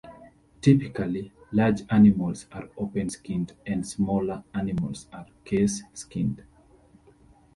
Typically, large animals are open skinned and smaller animals are case skinned.